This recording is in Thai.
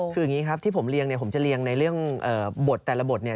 คืออย่างนี้ครับที่ผมเรียงเนี่ยผมจะเรียงในเรื่องบทแต่ละบทเนี่ย